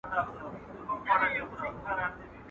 خداى دي داغسي بنده درواچوي، لکه ماته چي دي راواچول.